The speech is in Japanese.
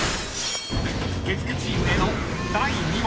［月９チームへの第２問］